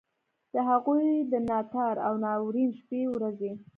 د هغوی د ناتار او ناورین شپې ورځي.